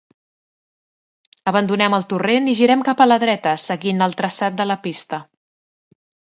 Abandonem el torrent i girem cap a la dreta, seguint el traçat de la pista.